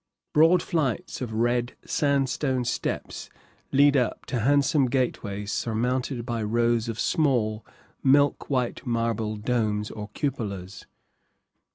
Broad flights of red sandstone steps lead up to handsome gateways surmounted by rows of small milk white marble domes or cupolas.